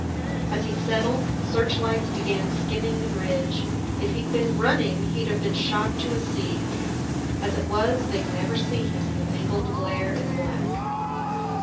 As he settled, searchlights began skimming the bridge. If he'd been running, he'd have been shot to a sieve. As it was, they'd never see him in the mingled glare and black.